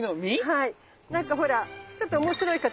はい。